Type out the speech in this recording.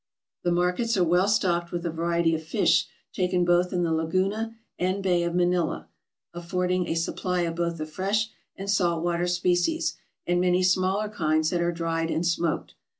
The markets are well stocked with a variety of fish, taken both in the Laguna and bay of Manila, affording a supply of both the fresh and salt water species, and many smaller kinds that are dried and smoked.